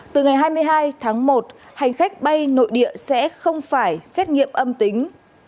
từ ngày hai mươi hai tháng một hành khách bay nội địa sẽ không phải xét nghiệm âm tính